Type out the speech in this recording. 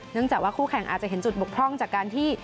จากว่าคู่แข่งอาจจะเห็นจุดบกพร่องจากการที่